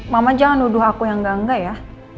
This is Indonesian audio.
mama jangan nuduh aku yang enggak enggak ya